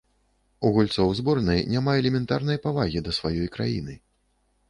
У гульцоў зборнай няма элементарнай павагі да сваёй краіны.